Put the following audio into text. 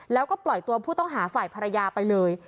แล้วก็ปล่อยตัวผู้ต้องหาฝ่ายภรรยาไปเลย